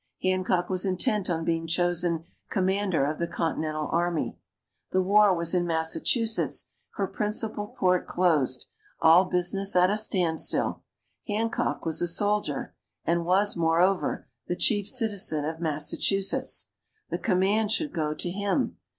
Hancock was intent on being chosen Commander of the Continental Army. The war was in Massachusetts, her principal port closed, all business at a standstill. Hancock was a soldier, and was, moreover, the chief citizen of Massachusetts the command should go to him.